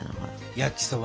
焼きそば！